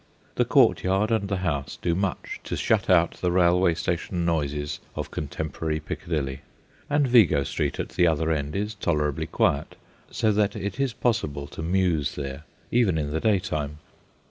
The courtyard and the house do much to shut out the railway station noises of contemporary Piccadilly, and Vigo Street at the other end is tolerably quiet, so that it is possible to muse there, even in the daytime.